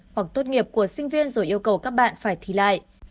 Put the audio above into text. hoặc tốt nghiệp của sinh viên rồi yêu cầu các bạn phải thi lại